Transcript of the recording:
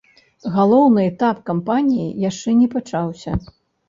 Галоўны этап кампаніі яшчэ не пачаўся.